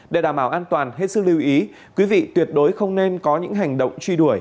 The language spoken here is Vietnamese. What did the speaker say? để đảm bảo an toàn hết sức lưu ý quý vị tuyệt đối không nên có những hành động truy đuổi